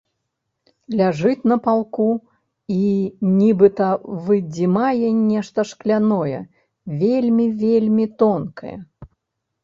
Ляжыць на палку і нібыта выдзімае нешта шкляное, вельмі, вельмі тонкае.